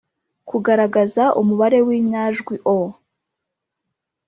-kugaragaza umubare w’inyajwi o,